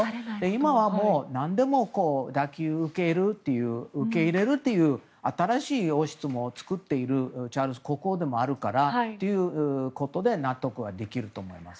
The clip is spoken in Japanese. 今は何でも受け入れるという新しい王室を作っているチャールズ国王でもあるからということで納得はできると思います。